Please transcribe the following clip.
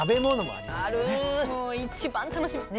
もう一番楽しみ。